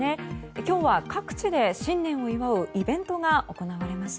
今日は各地で新年を祝うイベントが行われました。